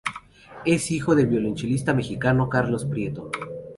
Es hijo del violonchelista mexicano Carlos Prieto.